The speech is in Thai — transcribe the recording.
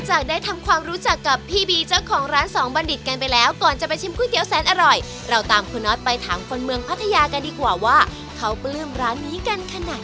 เจ้าของร้านสองบรรดีบันดิสกันไปแล้วก่อนจะไปชิมคุยเตี๋ยวแซนอร่อยเราตามคุณนอธไปถามคนเมืองพัทยากันดีกว่าว่าเขาเปลืองร้านนี้กันขนาดไหน